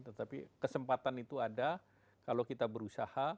tetapi kesempatan itu ada kalau kita berusaha